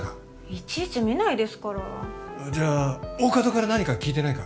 いちいち見ないですからじゃあ大加戸から何か聞いてないか？